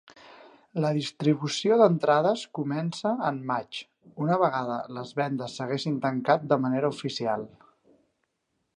La distribució d'entrades comença en maig, una vegada les vendes s'haguessin tancat de manera oficial.